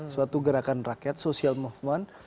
suatu gerakan rakyat social movement